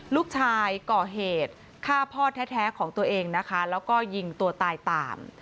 ลูกชายก่อเหตุฆ่าพ่อแท้ของตัวเองนะคะแล้วก็ยิงตัวตายตาม